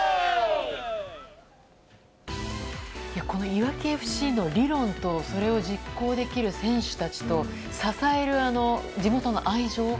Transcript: いわきＦＣの理論とそれを実行できる選手たちと支える地元の愛情。